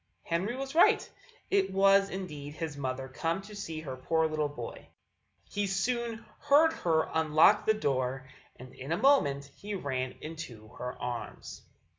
Henry was right: it was indeed his mother come to see her poor little boy. He soon heard her unlock the door, and in a moment he ran into her arms.